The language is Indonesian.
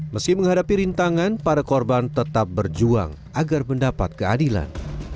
meski menghadapi rintangan para korban tetap berjuang agar mendapat keadilan